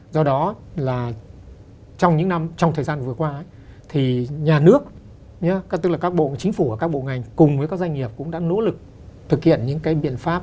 do đó là trong những năm trong thời gian vừa qua thì nhà nước tức là các bộ chính phủ và các bộ ngành cùng với các doanh nghiệp cũng đã nỗ lực thực hiện những cái biện pháp